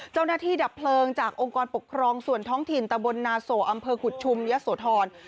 เจ้าหน้าที่ดับเพลิงจากองค์กรปกครองส่วนท้องถิ่นตะบลนาโสอำเภอขุดชุมเยอะโสธร